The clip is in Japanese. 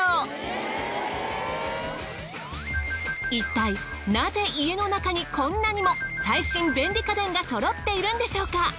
いったいなぜ家の中にこんなにも最新便利家電がそろっているんでしょうか？